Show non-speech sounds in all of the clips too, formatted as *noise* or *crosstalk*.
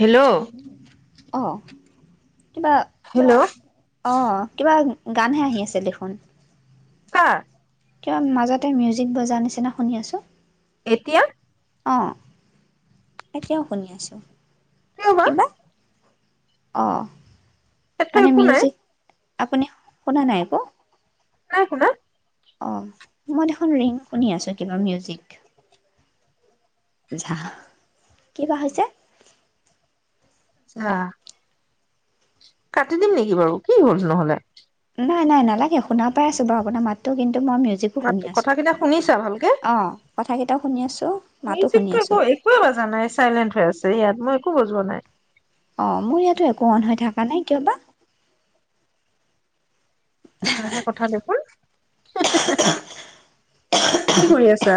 Hello অ' কিবা hello অ কিবা গানহে আহি আছে দেখোন কাৰ কিবা মাজতে মিউজিক বজাৰ নিচিনা শুনি আছো। এতিয়া অঁ এতিয়াও শুনি আছোঁ কিয় বা কিবা অঁ ইয়াততো মানে একো নাই মিউজিক আপুনি শুনা নাই একো নাই শুনা অ মই দেখোন ৰিং শুনি আছো কিবা মিউজিক। জা কিবা হৈছে আহ কাটি দিম নেকি বাৰু কি হ'ল নহলে নাই নাই নালাগে শুনা পাই আছো বাৰু আপোনাৰ মাতটো কিন্তু মই মিউজিকো মাত কথা কেইটা শুনিছ ভালকে কথা কেইটাও শুনি আছো মিউজিকটো একো একোৱে বজা নাই চাইলেন্ট হৈ আছে ইয়াত মই একো বজোৱা নাই অ মোৰ ইয়াতো একো অন হৈ থকা নাই কিয় বা কিবাহে কথা দেখোন হে হে হে কি কৰি আছা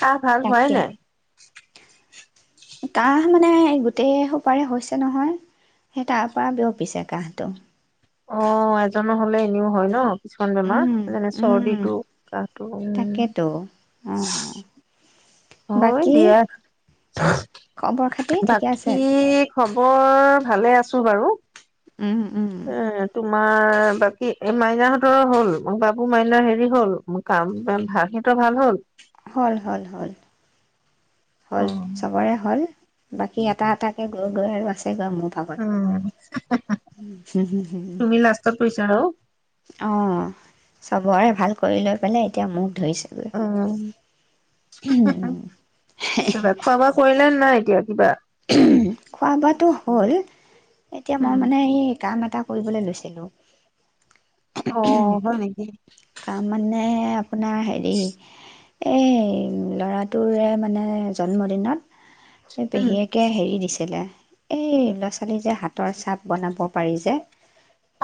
কাহ ভাল হোৱাই তাকে নাই কাহ মানে গোটেই সোপাৰে হৈছে নহয় সেই তাৰ পৰা বিয়পিছে কাহটো অ এজনৰ হ'লে এনেও হয় ন কিছুমান বেমাৰ উম যেনে উম চৰ্দিটো কাহটো উম তাকেতো অ হয় বাকী দিয়া খবৰ খাতি ঠিকে আছে বাকী খৱৰ ভালে আছো বাৰু উম উম এ তোমাৰ বাকী এই মাইনাহঁতৰৰ হ'ল মোৰ বাপু মাইনা হেৰি হ'ল কাম ভ সিহঁতৰ ভাল হ'ল হ'ল হ'ল হ'ল হ'ল চবৰে হ'ল বাকী এটা এটাকে গৈ গৈ আৰু আছে উম তুমি লাষ্টত পৰিছা আৰু অ চবৰে ভাল কৰি লৈ পেলাই এতিয়া মো উম হে হে কিবা খোৱা-বোৱা কৰিলে নাই এতিয়া কিবা উমহ খোৱা-বোৱাটো হ'ল এতিয়া মই উম, মানে সেই কাম এ এটা কৰিবলে লৈছিলো অ', হয় নেকি? এ আপোনাৰ হেৰি এই ল'ৰাটোৰে, মানে, জন্মদিনত সেই পেহীয়েক দিছিলে। এই ল'ৰা-ছোৱালী যে, হাতৰ চাপ বনাব পাৰি যে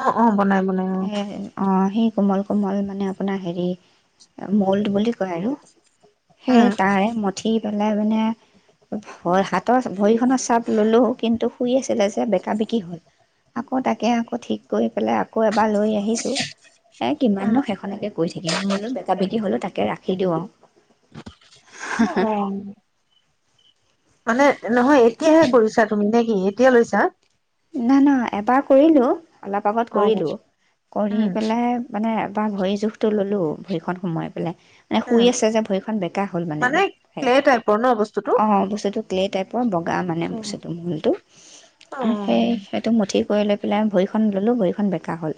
অ', অ'। বনাই-বনাই, অ' কোমল-কোমল, মানে, আপোনাৰ, হেৰি, ম'ল্ড বুলি কয়, আৰু সেই, তাৰে মঠি পেলাই, মানে, হাত *inaudible* তৰ ভৰিখন চাব ল'লোঁ, কিন্তু শুই আছিলে যে, বেকা-বেকি হ'ল। আকৌ তাকে, আকৌ ঠিক কৰি পেলাই, আকৌ এবাৰ লৈ আহিছোঁ। এ, কিমাননো, সেইখনকে কৈ থাকিম। বোলো বেকা-বেকি হ'লেও, তাকে ৰাখি দিওঁ, আৰু অ'। মানে নহয়, এতিয়াহে কৰিছা তুমি নে কি এতিয়া লৈছা? না, না। এবাৰ কৰিলোঁ। অলপ আগত অ কৰিলোঁ। কৰি উম পেলাই, মানে, এবাৰ ভৰি জোখটো ল'লোঁ ভৰিখন সোমাই পেলাই, মানে, উম, শুই আছে যে, ভৰিখন বেকা হ'ল। মানে, সেই, ক্লে টাইপৰ ন বস্তুটো অ', বস্তুটো ক্লে টাইপৰ বগা, মানে, অ বস্তুটো। ম'ল্ডটো অ সেই, সেইটো মঠি কৰি লৈ পেলাই, ভৰিখন ল'লোঁ। ভৰিখন বেকা হ'ল।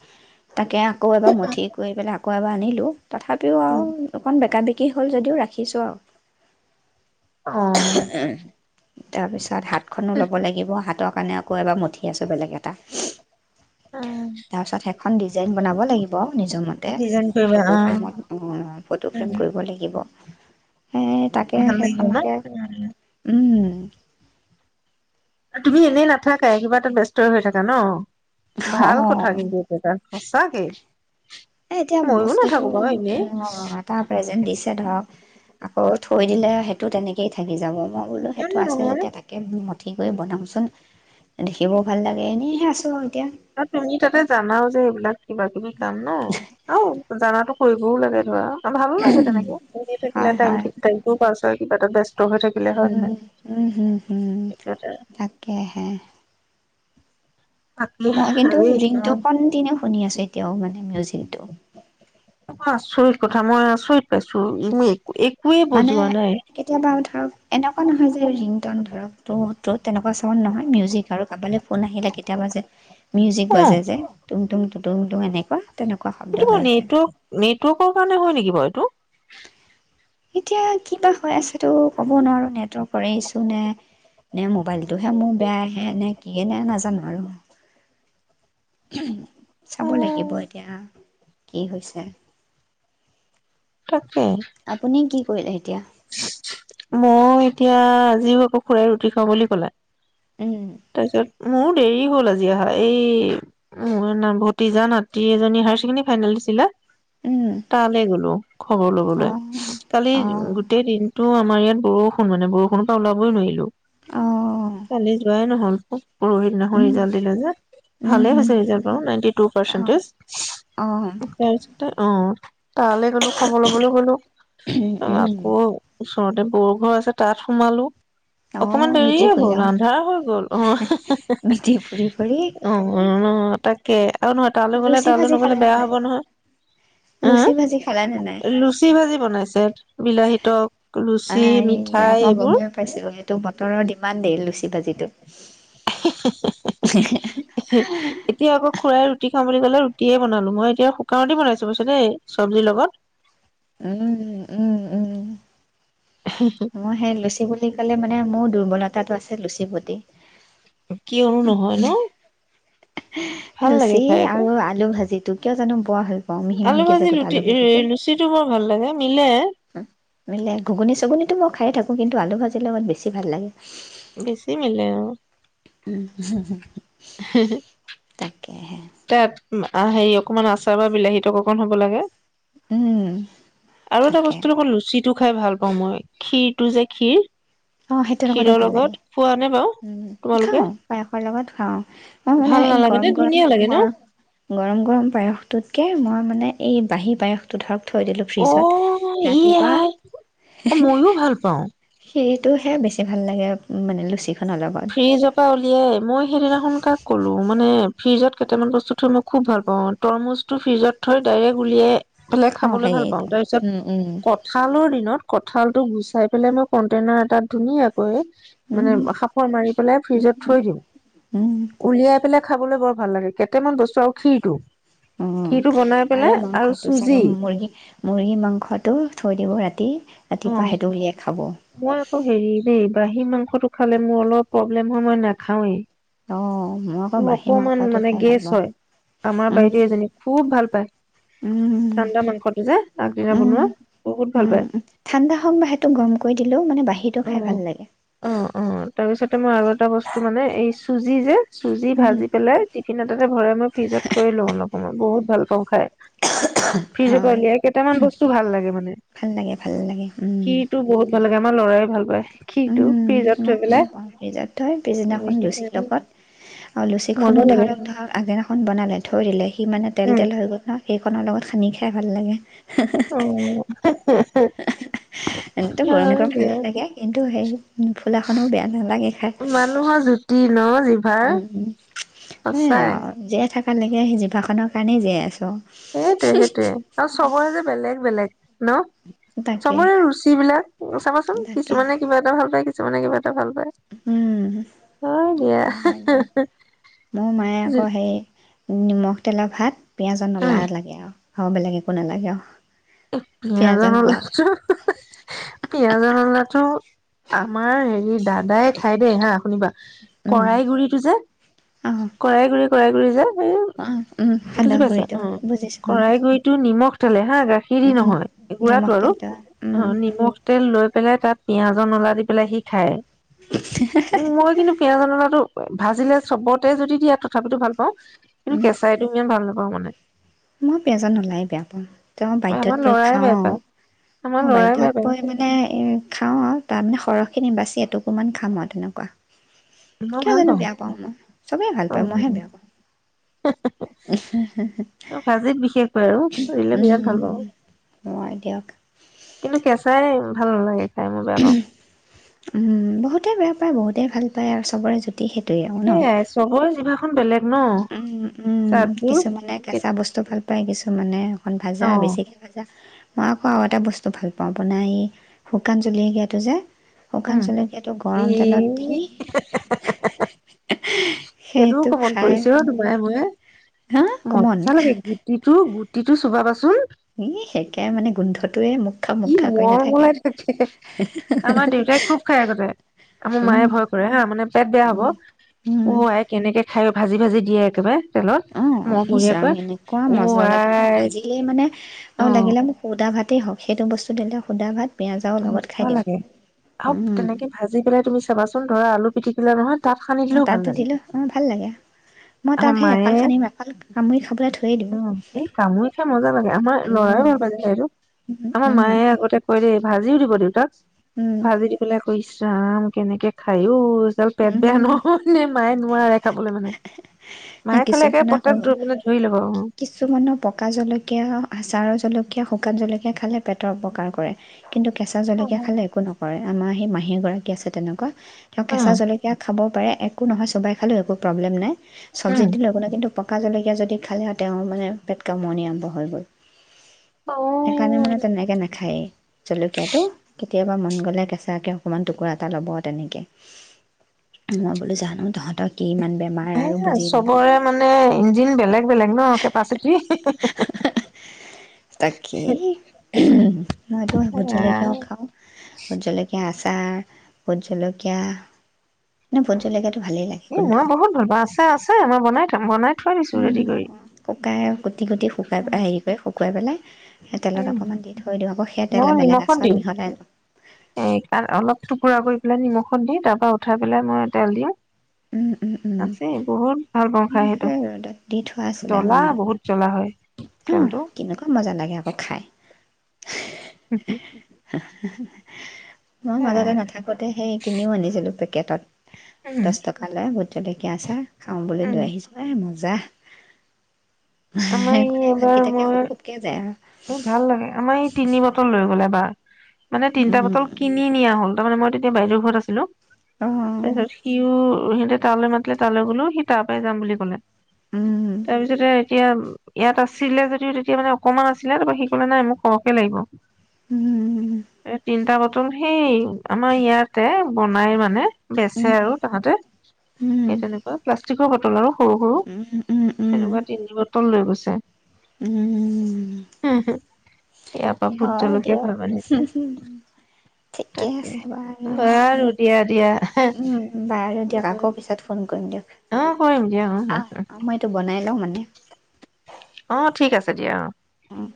তাকে, আকৌ এবাৰ মঠি কৰি পেলাই, আ কৌ এবাৰ আনিলোঁ তথাপিও, আৰু অকণ বেকা-বে কি হ'ল যদিও, ৰাখিছোঁ, আৰু *unintelligible* তাৰ পিছত, হাতখনো ল'ব লাগিব। হাতক কাৰণে আকৌ এবাৰ মঠি আছোঁ, বেলেগ এটা উম। এখন ডিজাইন বনাব লাগিব নিজৰ মতে ডিজাইন কৰিবা ফটো অ ফ্ৰেমত ফটো উম, ফ্ৰেম কৰিব লাগিব *inaudible* সেই তাকে ভাল লাগিব ন? সেইখনকে উম, উম হ *inaudible* তুমি এনেই ন নথাকে কিবা এটা ব্যস্ত হৈ থাকে ন ভাল কথা অঁ কিন্তু এটো এটা সঁচাকেই এ এতিয়া বস্তুতো এ তাৰপ যেন দিছে ধৰক আকৌ থৈ দিলে সেইটো তেনেকেই থাকি যাব মই বোলো কিয় সেইটো আছে নহয় যেতিয়া তাকে ম ঠি কৰি বনাওঁচোন দেখিবও ভাল লাগে এনেইহে আছোঁ এতিয়া তুমি তাতে জানাও যে এইব ন কিবা কিবি কাম ন আৰু জানাতো কৰিবও লাগে ধৰা ভালো লাগে তেনেকে থাকিলে হয় হয় তেওলোকো পাছত কিবাটা উম উম হম হম সেইটো এটা তাকে হে বাকী মই কিন্তু হেৰি ৰিংটো কট শুনি আছো এতিয়াও মানে মজটো আচৰিত কথা মই আচৰিত পাইছো ইমিক মানে কেতিয়াবা ধৰক এনেকুৱা নহয় যে ৰিং ধৰক ত ত তেনেকুৱা চামত নহয় মিউজিক আৰু কাৰাবলৈ ফোন আহিলে কেতিয়াবা যে মিউজিক অ', বাজাই যেয় তুমি তুমি এনেকুৱা তেনেকুৱা শব্দ এইটো হৈ মই আছে নেটৱৰ্ক নেটৱৰ্কৰ কাৰণে হয় নেকি বাৰু এইটো এতিয়া কিবা হৈ আছে তো কব নোৱাৰো নেটৱৰ্কৰে ইচছু নে নে মোবাইলটোহে মোৰ বেয়া আহে নে কিিয়ে নে নাজানো আৰু চাব লাগিব উম এতিয়া কি হৈছে তাত আপুনিে কি কৰিলে এতিয়া মই এতিয়া আজিও আকৌ খুৰাই ৰুটি খাওঁ বুলি ক'লা উম তছত মোৰো দেৰি হ'ল আজি অহা এই উ ভতিজা নাত এজনী হায়াৰ ছেকেণ্ডী ফাইনেল দিছিলা উম তালৈ গ'লো খবৰ লবলৈ অঁ কালি অঁ তো আমাৰ ইয়াত বৰষুণ মানে বৰষুণৰ পৰা ওলাবই নোৱাৰিলো। অঁ কালি যোৱাই নহ'ল পৰহিদিনাখন উম ৰিজালট দিলে যে উম ভালে হুম হৈছে ৰিজাল্টটো নাইনটি টু অঁ পাৰ্চেন্টেজ অঁ *unintelligible* অ'। তালৈ গ'লো, খবৰ ল'বলৈ গ'লো। *unintelligible* ৱ উম *unintelligible* ওচৰতে বৌৰ ঘৰ আছে, তাত সোমালো। অকমান অ', মিতি দেৰিয়ে ফুৰিলা হ'ল, অ', আন্ধাৰ হৈ গ'ল। আহ, মিতি ফুৰি ফুৰি অ', তাকে। আৰু নহয় তালৈ গ'লে, লুচি তালৈ ভাজি নগ'লে খালা নে বেয়া নাই হ'ব নহয়! হা? লুচি ভাজি খালা নে নাই লুচি-ভাঁজি বনাইছে, বিলাহীত আয়া, মই এইবোৰ গ'মেইে পাইছোঁ। এইটো বতৰৰ দিমণ্ডেই লুচি-ভাঁজি *inaudible* এতিয়া আকৌ খুৰাই ৰুটি খাওঁ বুলি ক'লে তিয়ে বনালোঁ, মই এতিয়া শুকান ৰুটি বনাইছো অৱশ্যে দেই চব্জিৰ লগত। উম, উম, উম। মই সেই লুচি বুলি ক'লে, মানে মোৰ দুৰ্বলতাটো আছে লুচি প্ৰতি। কিয়নো নহয় ন! ভাল লাগে লুচি খাই আকৌ আৰু আলু ভাজিত টো কিয় জানো বৰ ভাল পাওঁ মিহি আলু মিহিকে যে ভাজি গোটা লুটি আলু ভাজিটো লুচি টো বৰ ভাল লাগে মিলে মিলে, ঘুগুনি চুগুনিতো মই খায়ে থাকোঁ, কিন্তু আলু ভাজিৰ লগত বেছি ভাল লাগে। বেছি মিলে আৰু উম তাকেহে তাত হেৰি অকণমান আচাৰ বা বিলাহী তক অকণ হ'ব লাগে উম আৰু এটা তাকে বস্তুৰ লগত লুচিত টো খাই ভাল পাওঁ মই, ক্ষীৰ টো যে, ক্ষীৰ অ, সেইটোৰ লগতো ভাল লাগে। বাৰু উম, তোমালোকে খাওঁ পায়সৰ লগত। খাওঁ। মই মানে ভাল এই নালাগে নে গৰম গৰম, ধুনীয়া লাগে ন গৰ গৰম গৰম পায়সটোতকে মই মানে এই বাহি পায়সটো ধৰক থৈ দিলোঁ অ ফ্ৰিজত, ই ৰাতিপুৱা আই মইয়ো ভাল পাওঁ এক টো হে বেছি ভাল লাগে উনে লুচি ফ্ৰ্ৰীজপা উলিয়াই মই সেইদিনাখনোন কাক ক'লো মানে ফ্ৰিজত কেইটামান বস্তু থৈ মই খুব ভাল পাওঁ তৰমুজ টো ফ্ৰিজত থৈ ডাইৰেক্ট উলিয়াই বলে অ খাবলৈ সেই ভাল পাওঁ তাৰ পিছত উম উম কঁঠালৰ দি কঁঠালটো গুচাই পেলাই মই কন্টেইনাৰ এটাত ধুনীয়া উম মানে ফ্ৰিজত থৈ দিওঁ উম খ পেলাই খাবলৈ বৰ ভাল লাগে কেইটামান বস্তু আৰু খাই টো উম আৰু মাংসটো চাগ চুজি মুৰ্গী মুৰ্গী মাংসটো থৈ দিব ৰাতি ৰাতিপুৱা সটো উলিয়াই খাওঁ মই আকৌ হেৰি দেই খাহি মাংসটো খালে মোৰ অলপ প্ৰব্লেম হয় মই নাখাওৱেই অ মই আকৌ মোৰ বাঁহী অকমান মাংসটো মানে খাই ভাল গেছ পাওঁ হয় আমাৰ উম বাইদেউ এজনী খুব ভাল পায় উম ঠাণ্ডা মাংসটো যে আগদিনা উম বনোৱা বহুত ভাল পায় উম, ঠাণ্ডা হওক বা সেইটো গৰম কৰি দিলেও মানে বাহিৰটো অ খাই ভাল লাগে। অ অ তাৰপিছতে মই আৰু এটা বস্তু মানে এই চুজি যে চুজি উম, ভাজি পেলাই টিফিন এটাতে ভৰাই মই ফ্ৰিজত থৈ লো অলপ মই বহুত ভাল পাওঁ খাই ফ্ৰিজ পৰা হয় উলিয়াই কেইটামান বস্তু ভাল লাগে মানে ভাল লাগে ভাল লাগে উম। খিতটো বহুত ভাল লাগে আমাৰ লৰাই ভাল পায় উম খিৰটো ফ্ৰিজত থৈ মই পেলাই ভাল পাওিজত থ পিছদিনাখন এনেকে লুচিৰ আমি লগত আৰু লুচি মজা খনো লাগে ধৰক ধৰ আগদিনাখন বনালে থৈ দিলে সি মানে তেল উম তেল হৈ গ'ল ন সেইখনৰ লগত খাই খাই ভাল লাগে অ' গৰম হয় গৰম দিয়া ভালেই লাগে কিন্তু সেই ফুলাখনো বেয়া নালাগে খাই তিনৰ উম উম সেই আৰু যে থাকে কালৈকে সিজিভাখনৰ কাৰণেই জীয়াই আছোঁ সেইটোৱে সেইটোয়ে আৰু চবৰে যে বেলেগ বেলেগ ন তাকে চবৰে ৰুচিবলাক চাবাচোন তাকে কিছুমানে কিবা এটা ভাল পাই মানে কিবা এটা ভাল পায় উম হয় দিয়া অ হয় দিয়ক মোৰ মায়ে আকৌ হেই নিমখ তেলৰ ভাত পিয়াজৰ উম নলা লাগে আৰু আৰু বেলেগ একো নালাগে আৰু এ পিঁয়াজৰ জান নলা লছো পিঁয়াজৰ নলাটো আমাৰ হেৰি দাদাই খাই দেই হা শুনিবা কৰাই গুৰিটো যে অঁ কৰাই গুৰি কই কৰি যা এই অঁ বুজি সান্দহ পাইছা গুড়িটো বুজিছোঁ অঁ শৰাই কৰিতো নিমখ তলে হা গাখ খিৰি নহয় গুৰাটো নিমখ আৰু তেলটো উম অ নিমখ তেল লৈ পেলাই তাত পিয়য়াজৰ নলা দি পেলাই সি খায় উ মই কিন্তু পিঁয়াজ ননাতো ভাজিলে চবতে যদি দিয়া তথাপিতো ভাল পাওঁ কিন্তু উম কেঁচাইতটো ইমান ভাল নাপাওঁ মানে বাধ্যয়ত আমাৰ বৈ লৰাই খাওঁ বেয়া পায় আমাৰ আৰু লৰাই বাধ্যয়ত বেয়া পায় পৰি মানে খাওঁ আৰু তাৰমানে সৰ সেই খিনি বাচিাতটোকমান খাম তেনেকুৱা মই কিয় ভাল জানো বেয়া পাওঁ মই চবেই ভাল অ পায় মইহে বেয়া পাওঁ ভাজিত বিশেষক আৰু কৰিলে বিৰাট ভাল পওঁ হয় দিয়ক কিন্তু কেঁচাই ভাল নালাগে খাই মই বেয়া পাওঁ উম বহুতে বেয়া বহুতেই ভাল পায় আৰু চবৰে সেইটোৱেই আৰু ন সেইয়াই চবৰে যিবা উম উম কিছুমানে কেঁচা বস্তু ভাল পা পাই কিছুঁ মানে অকণ ভাজা অ বেছিকৈ ভাজা মই আকৌ আৰু এটা বস্তু ভাল পাওঁ আপোনাৰ এই শুকান জলকীয়াটো যে শুকান উম জলকীয়াটো এই গৰম তেলত হে দি হে সেইটো সেইটোকমন খাই কৰিছো ৰ মানে তোমাই ময়ে হা কমন মজ্জা লাগে গুটিটো গুট গুতিটো চোবাবাচোন ইহ একে মানে গোন্ধত ই মলমলাই থাকে। আমাৰ দেউতাই খুব খাই আগতে। আমাৰ মায়ে উম ভয় কৰে হা মানে পেট বেয়া হ'ব। উম উম অৱাই কেনেকে খাই ভাজি ভাজি দিয়ে একবাৰে উম ইচ ৰাম এনেকোৱা অ মজা লাগে খাবলে আই ভাজিলেই মানে অ' লাগিলে মোক শুদা ভাত তেই হওঁক সেইটো বস্তু দিলে শুদা ভাত পিঁয়াজৰ লগত খাই মজ্জা দিম লাগে আও উম তেনেকে ভাজি পেলাই তুমি চাবাচোন ধৰা আলু পিতিকিলা নহয় তাত সানি অ দিলেও ভাল তাতো লাগে। দিলো অ ভাল লাগে মই তাক আমাৰ সেই মায়ে এফাল সানিম এফাল কামুৰি খাবলৈ থৈয়ে দিওঁ। অ', এই কামুৰি খাই মজা লাগে আমাৰ লৰাই উম, ভাল পাইছে এইটো আমাৰ উম, মায়ে আগতে কয় দেই ভাজিও দিব দেউতাক উম, ভাজি দি পেলাই আকৌ ইচ ৰাম কেনেকে খায় ঐ। পিছত পেট বেয়া উম, নহ'লে মায়ে নোৱাৰে খাবলৈ মানে। মায়ে খালে একে কিছুমানৰ পেটত মানে ধৰি ল'ব অ। কিছুমানৰ পকা জলকীয়া, আচাৰৰ জলকীয়া, শুকান জলকীয়া খালে পেটৰ অপকাৰ কৰে। কিন্তু কেঁচা অ জলকীয়া খালে একো নকৰে আমাৰ সেই মাহী গৰাকী আছে তেনেকোৱা তেওঁ কেঁচা জলকীয়া খাব পাৰে। একো নহয় চোবাই খালেও একো প্ৰব্লেম নাই। চবজিত দিলেও একো নাই কিন্তু পকা জলকীয়া যদি খালে তেওঁ মানে পেট কামোৰণি আৰম্ভ হৈ গ'ল। সেইকাৰণে উম। মানে তেনেকে নাখায়েই জলকীয়াটো কেতিয়াবা মন গলে কেঁচাকে অকণমান টুকুৰা এটা ল'ব তেনেকে। মই বোলো জানো তহঁত সেয়াই চবৰে মানে ইঞ্জিন বেলেগ, বেলেগ ন? অ কেপাচিটি হি হি হি হি ওমহ মইতো ভোট জলকীয়াও খাওঁ, ভোট জলকীয়া আচা আ ভোট জলকীয়া মানে ভোট জলকীয়াটো ভালেই লাগে এ গোন্ধ মই বহুত ভাল পাওঁ আচাৰ আছে মই বনাই থ ও বনাই থৈ দিছো উম, ৰেডি কৰি। শুকাই কুটি কুটি শুকাই হেৰি কৰে শুকুৱাই পেলাই সেই তেলত উম, অকণমান দি থৈ দিওঁ আকৌ সেই তেল মই বেলেগ নিমখত আচাৰত দিওঁ। মিহলাই লওঁ এই অলপ টুকুৰা কৰি পেলাই নিমখ খত দি তাৰ পৰা উঠাই পেলাই মই তেল দিওঁ। উম, উম, উম, আছে বহুত ভাল পাওঁ খাই সেইটো সেই ৰ'দত দি জ্বলা বহুত জ্বলা হয় উম তেলটো। কেনেকোৱা মজা লাগে আকৌ খায় *inaudible* *inaudible* মই এ মাজতে নাথাকোতে সেই কিনিও আনিছিলোঁ। একেটাত। উম দ'হ টকালৈ চলকে আছা খাওঁ বুলি উম লৈ আহিছো এ মই *inaudible* আমাৰ ই মানে এবাৰ ভাতকেইটাকে মই সুব সুবকে যায় আৰু এই ভাল লাগে আমাৰ এই তিনি বতল লৈ গ'ল এবাৰ মানে তিনিটা বটল উম কিনি নিয়া হ'ল তাৰ মানে মই তেতিয়া বাইদেউৰ ঘৰত আছিলোঁ। অ' তাৰ পিছত সিওঁ হে তালৈ মাতিলে তালৈ গলোঁ, সি তাৰ পৰাই যাম বুলি ক'লে। উম তাৰপিছতে। তেতিয়া ইয়াত আছিলে যদিও তেতিয়া মানে অকমান আ আছিলে তাৰপৰা সি ক'লে নাই মোক খকে লাগিব। উম এই তিনিটা ক তম সেই আমাৰ ইয়াতে বনাই মানে বেচে উম আৰু তাহাঁতে উম সেই তেনেকুৱা প্লাষ্টিক তোৰ কটল আৰু। সৰু সৰু উম উম উম এনেকুৱা তিনি বটল লৈ গৈছে। উম। হম, হম। অ', দিয়ক ঠিকে তাকে আছে বাৰু বাৰু দিয়া দিয়া উম, বাৰু দিয়ক আকৌ পিছত ফোন কৰিম দিয়ক অ কৰিম দিয়া অ অহ, মই এইটো বনাই লওঁ মানে। অ', ঠিক আছে দিয়া অ'। অহ।